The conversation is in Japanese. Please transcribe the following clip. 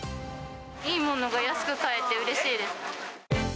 いいものが安く買えてうれしいです。